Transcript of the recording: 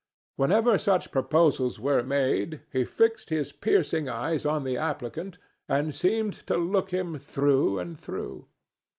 Whenever such proposals were made, he fixed his piercing eyes on the applicant and seemed to look him through and through.